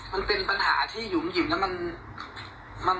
มันเป็นปัญหาที่หยุมหิมแล้วมัน